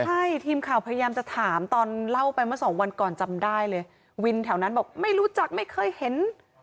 ใช่ทีมข่าวพยายามจะถามตอนเล่าไปเมื่อสองวันก่อนจำได้เลยวินแถวนั้นบอกไม่รู้จักไม่เคยเห็น